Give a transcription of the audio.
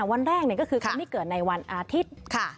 วันแรกก็คือคนที่เกิดในวันอาทิตย์